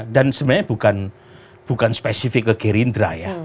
dan sebenarnya bukan spesifik ke gerindra ya